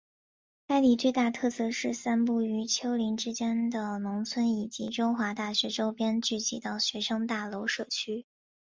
该里最大的特色是散布于丘陵之间的农村以及中华大学周边聚集的学生大楼社区。